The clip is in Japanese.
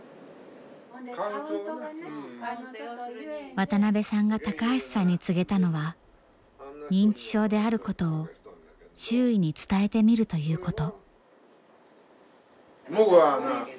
渡邊さんが高橋さんに告げたのは認知症であることを周囲に伝えてみるということ。